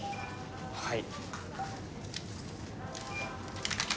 はい。